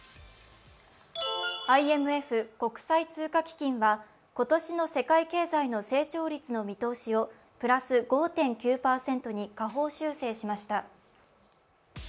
ＩＭＦ＝国際通貨基金は今年の世界経済の成長率の見通しをプラス５．９％に下方修正しました。